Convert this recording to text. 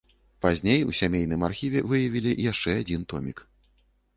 Пазней у сямейным архіве выявілі яшчэ адзін томік.